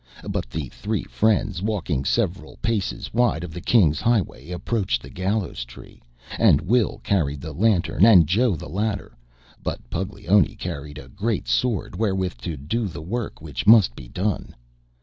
But the three friends, walking several paces wide of the King's highway, approached the Gallows Tree, and Will carried the lantern and Joe the ladder, but Puglioni carried a great sword wherewith to do the work which must be done.